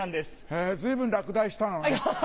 へぇ随分落第したのね。